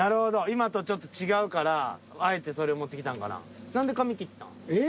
今とちょっと違うからあえてそれ持ってきたんかな。